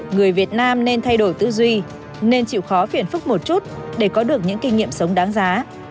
người việt nam nên thay đổi tư duy nên chịu khó phiền phức một chút để có được những kinh nghiệm sống đáng giá